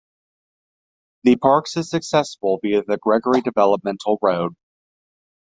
The parks is accessible via the Gregory Developmental Road.